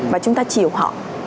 và chúng ta chiều họ